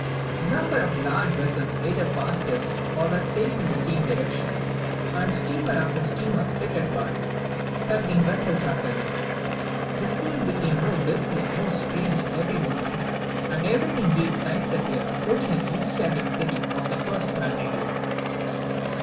Numbers of large vessels either passed us or were sailing in the same direction, and steamer after steamer flitted by, tugging vessels after them; the scene became more busy and more strange, every moment, and everything gave signs that we were approaching an Asiatic city of the first magnitude.